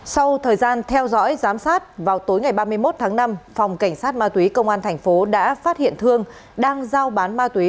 sau thời gian theo dõi giám sát vào tối ngày ba mươi một tháng năm phòng cảnh sát ma túy công an thành phố đã phát hiện thương đang giao bán ma túy